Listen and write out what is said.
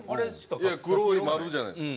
いや黒い丸じゃないですか。